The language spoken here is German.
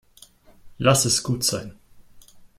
Lass es gut sein.